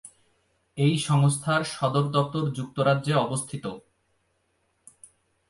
এই সংস্থার সদর দপ্তর যুক্তরাজ্যে অবস্থিত।